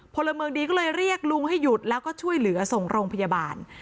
พลเมืองดีก็เลยเรียกลุงให้หยุดแล้วก็ช่วยเหลือส่งโรงพยาบาล